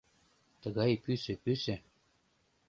Тыгай пӱсӧ-пӱсӧ...